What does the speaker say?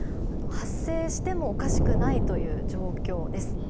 発生してもおかしくない状況です。